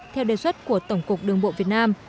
theo đề xuất của tổng cục đường bộ việt nam